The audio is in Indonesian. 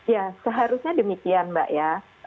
ya seharusnya demikian mbak ya